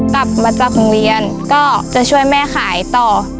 กลับมาจากโรงเรียนก็จะช่วยแม่ขายต่อ